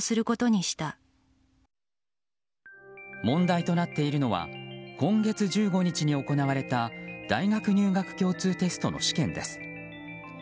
問題となっているのは今月１５日に行われた大学入学共通テストの試験です。